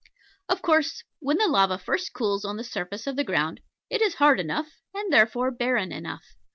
Of course, when the lava first cools on the surface of the ground it is hard enough, and therefore barren enough.